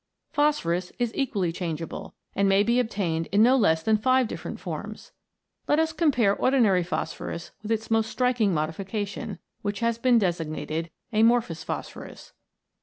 Phosphorus is equally changeable, and may be obtained in no less than five different forms. Let us compare ordinary phosphorus with its most striking modification, which has been designated amorphous phosphorus.